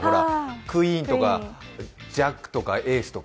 クイーンとかジャックとかエースとか。